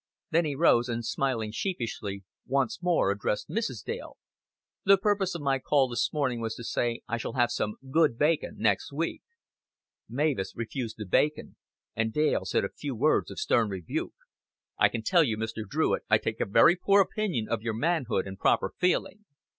Then he rose, and smiling sheepishly, once more addressed Mrs. Dale. "The purpose of my call this morning was to say I shall have some good bacon next week." Mavis refused the bacon, and Dale said a few words of stern rebuke. "I can tell you, Mr. Druitt, I take a very poor opinion of your manhood and proper feeling."